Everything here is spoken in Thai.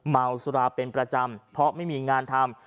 เมาสุราเป็นประจำเพราะไม่มีงานทำ